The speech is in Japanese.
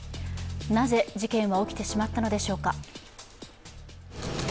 なぜ事件は起きてしまったのでしょうか。